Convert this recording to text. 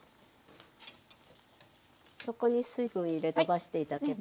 そこに水分入れてのばして頂けば。